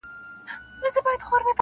هم په عمر يمه مشر هم سردار يم-